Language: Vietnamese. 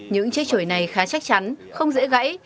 những chiếc trội này khá chắc chắn không dễ gãy